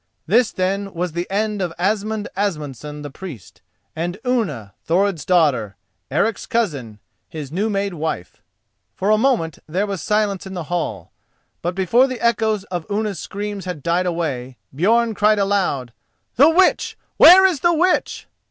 This then was the end of Asmund Asmundson the Priest, and Unna, Thorod's daughter, Eric's cousin, his new made wife. For a moment there was silence in the hall. But before the echoes of Unna's screams had died away, Björn cried aloud: "The witch! where is the witch?"